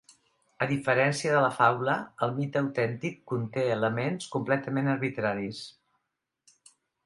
A diferència de la faula, el mite autèntic conté elements completament arbitraris.